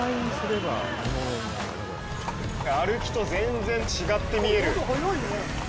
歩きと全然違って見える。